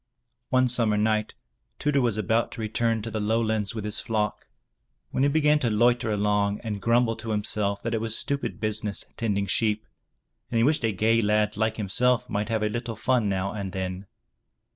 One summer night Tudur was about to return to the lowlands with his flock, when he began to loiter along and grumble to him self that it was stupid business tending sheep, and he wished a gay lad like himself might have a little fun now and then.